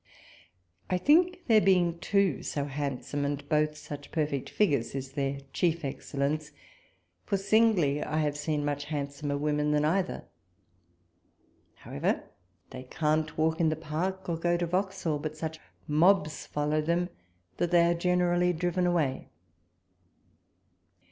I think their bemg two so handsome and both such perfect figures is their chief excel lence, for singly I have seen much handsomer women than either ; however, they can't walk in the park or go to Vauxhall, but such mobs follow them that they are generally driven away.